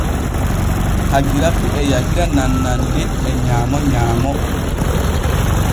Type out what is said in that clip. Hajiratu e yahira nannande e nyaamo nyaamo.